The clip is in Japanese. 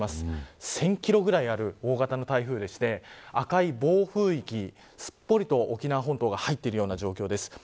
１０００キロくらいある大型の台風で赤い暴風域にすっぽりと沖縄本島が入っているような状況です。